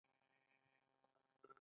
مرکه کېدونکی باید له بې احترامۍ خلاص شي.